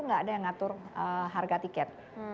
tidak ada yang mengatur harga tiket